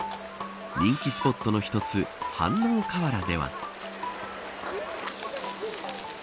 人気スポットの一つ飯能河原では。